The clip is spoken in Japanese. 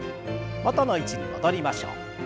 元の位置に戻りましょう。